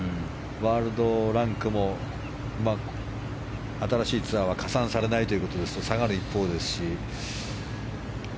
ワールドランクも新しいツアーは加算されないということで下がる一方ですし。